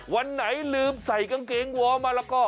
วันไหนลืมใส่กางเกงวอร์มมาแล้วก็